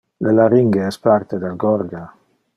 Le larynge es parte del gorga.